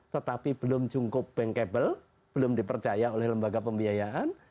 tetapi belum cukup bankable belum dipercaya oleh lembaga pembiayaan